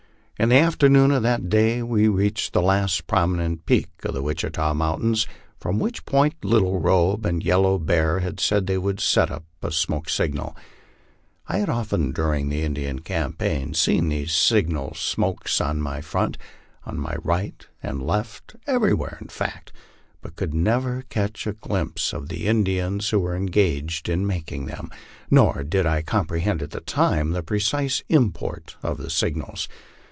In the afternoon of that day we reached the last prominent peak of the Witchita mountains, from which point Little Robe and Yellow Bear had said they would send up a signal smoke. I had often during an Indian campaign seen these signal smokes, on my front, on my right and left everywhere, in fact but could never catch a glimpse of the Indians who were engaged in making them, nor did I compre hend at the time the precise import of the signals.